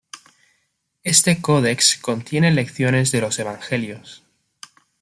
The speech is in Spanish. Este codex contienen lecciones de los evangelios.